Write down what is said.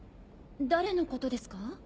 誰のことですか？